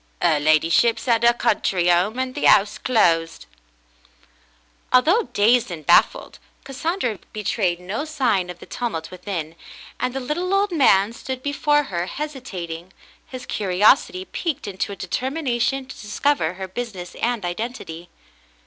" 'Er ladyship's at 'er country 'ome and the 'ouse closed." Although dazed and baffled, Cassandra betrayed no sign of the tumult within, and the little old man stood before her hesitating, his curiosity piqued into a determi 268 The Mountain Girl nation to discover her business and identity.